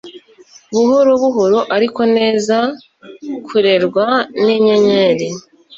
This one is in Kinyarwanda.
buhorobuhoro ariko neza kurerwa ninyenyeri